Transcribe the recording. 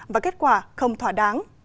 và kết quả không thỏa đáng